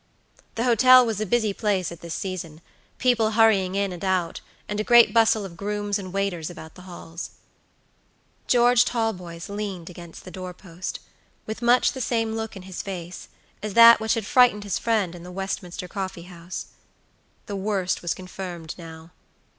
The hotel was a busy place at this season; people hurrying in and out, and a great bustle of grooms and waiters about the halls. George Talboys leaned against the doorpost, with much the same look in his face, as that which had frightened his friend in the Westminister coffee house. The worst was confirmed now.